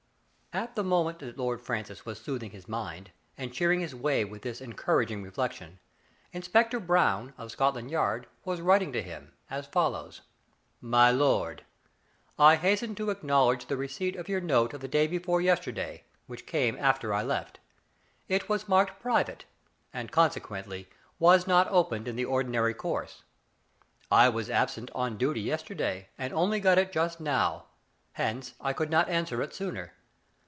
*' At the moment that Lord Francis was soothing his mind, and cheering his way with this en couraging reflection. Inspector Brown, of Scot land Yard, was writing to him, as follows : My Lord : I hasten to acknowledge the receipt of your note of the day be fore yesterday, which came after I left. It was marked " pri vate," and, consequently, was not opened in the ordinary course. I was absent on duty yesterday, and only got it just now. Hence I could not answer it sooner.